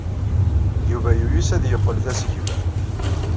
Yuba yuyes ad yeqqel d asegbar.